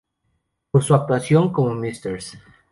Por su actuación como Mrs.